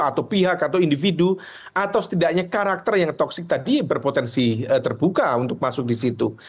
atau pihak atau individu atau setidaknya karakter yang toksik tadi berpotensi terbuka untuk masuk di situ